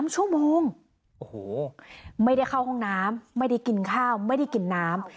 ๒ชั่วโมงโอ้โหไม่ได้เข้าห้องน้ำไม่ได้กินข้าวไม่ได้กินน้ำ